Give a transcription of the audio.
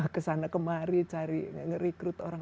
kesana kemari cari nge recruit orang